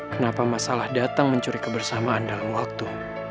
kenapa masalah datang mencuri kebersamaan dalam waktu